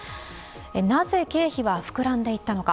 なぜ経費は膨らんでいったのか。